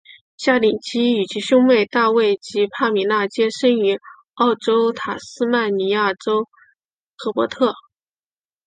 夏鼎基与其兄妹大卫及帕米娜皆生于澳洲塔斯曼尼亚州荷伯特。